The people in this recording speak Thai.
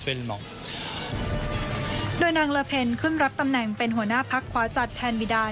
หลีกรุงหลังนี้นามล่าเพล้นเป็นหัวหน้าพักขวาจัดแทนวีดา